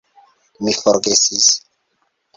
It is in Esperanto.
Mi forgesis